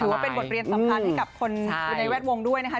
ถือว่าเป็นบทเรียนสัมภาษณ์ที่กับคนอยู่ในแวดวงด้วยนะคะ